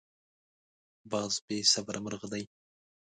باز بې صبره مرغه دی